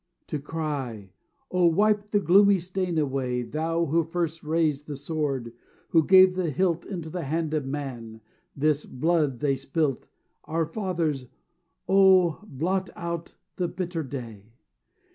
To cry, "Oh, wipe the gloomy stain away, Thou who first raised the sword, Who gave the hilt Into the hand of man. This blood they spilt Our fathers oh, blot out the bitter day!